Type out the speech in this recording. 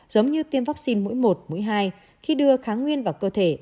giống như tiêm vaccine mũi một mũi hai khi đưa kháng nguyên vào cơ thể